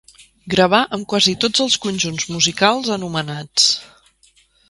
Gravà amb quasi tots els conjunts musicals anomenats.